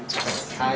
はい。